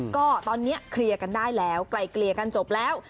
ก็ตอนนี้เคลียร์กันได้แล้วไกลเกลี่ยกันจบแล้ว